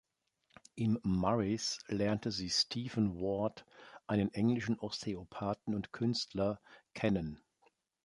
Im Murray‘s lernte sie Stephen Ward, einen englischen Osteopathen und Künstler, kennen.